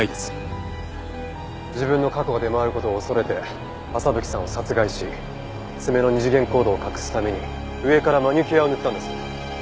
自分の過去が出回る事を恐れて朝吹さんを殺害し爪の二次元コードを隠すために上からマニキュアを塗ったんですね。